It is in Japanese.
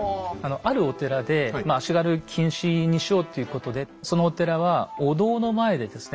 あるお寺で足軽禁止にしようということでそのお寺はお堂の前でですね